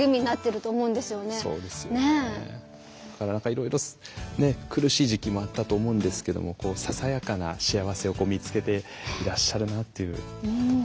いろいろ苦しい時期もあったと思うんですけどもささやかな幸せを見つけていらっしゃるなというところも感じましたね。